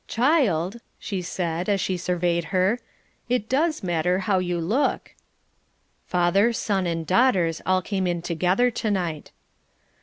"Child," she said, as she surveyed her, "it does matter how you look." Father, son, and daughters, all came in together to night.